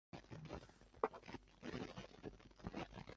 他和他的部众是巴尔喀什湖和卡拉塔尔河之间活动。